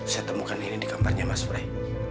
saya temukan ini di kamarnya mas brai